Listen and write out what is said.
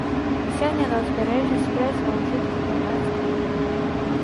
Сёння на ўзбярэжжы спрэс ва ўжытку харвацкая мова.